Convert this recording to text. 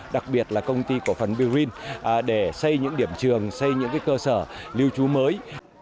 đặc biệt là công ty cổ phần b green để xây những điểm trường xây những cơ sở lưu trú mới